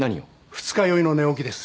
二日酔いの寝起きです